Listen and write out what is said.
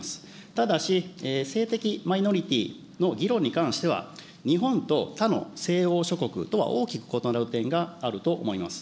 ただし性的マイノリティの議論に関しては、日本と他の西欧諸国とは大きく異なる点があると思います。